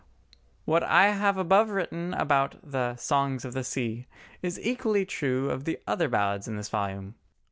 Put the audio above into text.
What I have above written of the "Songs of the Sea" is equally true of the other ballads in this volume.